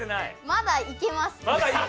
まだいけます。